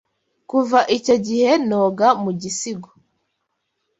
Kuva icyo gihe noga mu gisigo